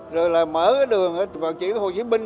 rồi là mở cái đường gọi chuyển hồ chí minh